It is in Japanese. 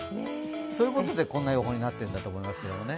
そういうことで、こんな予報になっているんだと思いますけどね。